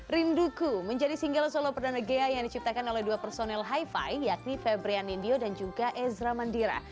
rinduku menjadi single solo perdana ghea yang diciptakan oleh dua personel hi fi yakni febrian indio dan juga ezra mandira